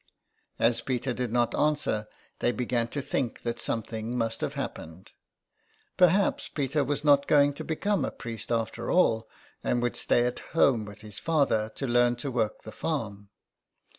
As Peter did not answer, they began to think that something must have happened. Perhaps Peter was not going to become a priest after all, and would stay at home with his father to learn to work the farm.